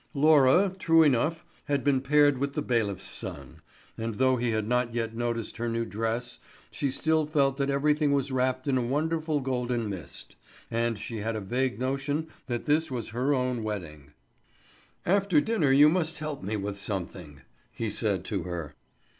Laura, true enough, had been paired with the bailiff's son; and though he had not yet noticed her new dress, she still felt that everything was wrapped in a wonderful golden mist, and she had a vague notion that this was her own wedding. "After dinner you must help me with something," he said to her.